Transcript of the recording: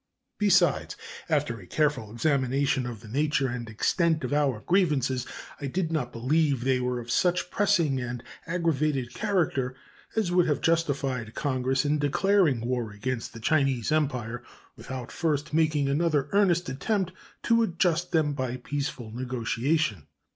Besides, after a careful examination of the nature and extent of our grievances, I did not believe they were of such a pressing and aggravated character as would have justified Congress in declaring war against the Chinese Empire without first making another earnest attempt to adjust them by peaceful negotiation.